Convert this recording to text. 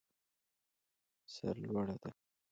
سر لوړه ده.